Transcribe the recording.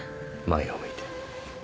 前を向いて。